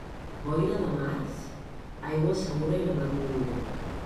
Boira de març, aigua segura i la mar moguda.